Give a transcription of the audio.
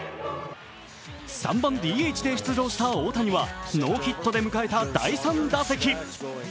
３番・ＤＨで出場した大谷はノーヒットで迎えた第３打席。